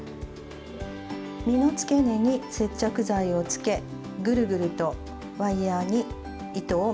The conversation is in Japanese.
実のつけ根に接着剤をつけぐるぐるとワイヤーに糸を巻きつけていきます。